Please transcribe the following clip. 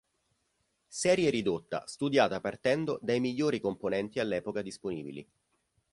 Serie ridotta studiata partendo dai migliori componenti all'epoca disponibili.